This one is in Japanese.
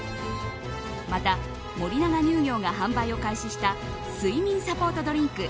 また、森永乳業が販売を開始した睡眠サポートドリンク